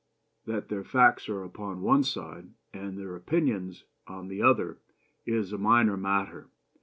That their facts are upon one side and their opinions on the other is a minor matter.